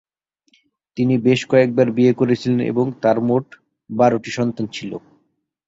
তিনি বেশ কয়েকবার বিয়ে করেছিলেন এবং তার মোট বারোটি সন্তান ছিল